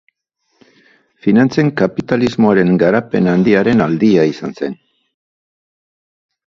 Finantzen kapitalismoaren garapen handiaren aldia izan zen.